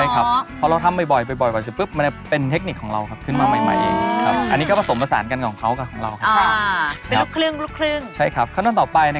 กูพักแล้วลักจำไป